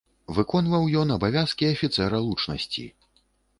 Выконваў ён абавязкі афіцэра лучнасці.